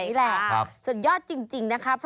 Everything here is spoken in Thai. นี่แหละสุดยอดจริงนะคะเพราะว่า